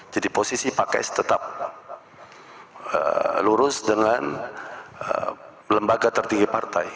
jadi posisi pak ks tetap lurus dengan lembaga tertinggi partai